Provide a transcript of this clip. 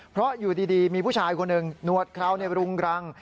เพราะอยู่ดีมีผู้ชายคนหนึ่งหนวดเครารุงรัง